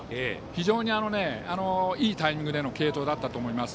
非常にいいタイミングでの継投だったと思います。